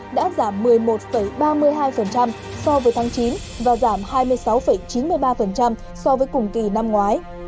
đã giảm một mươi một ba mươi hai so với tháng chín và giảm hai mươi sáu chín mươi ba so với cùng kỳ năm ngoái